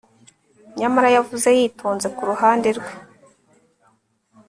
Nyamara yavuze yitonze ku ruhande rwe